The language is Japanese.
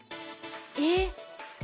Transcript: えっ！